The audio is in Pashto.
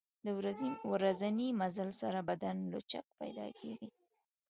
د ورځني مزل سره بدن لچک پیدا کېږي.